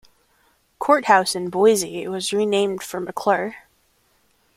Courthouse in Boise was renamed for McClure.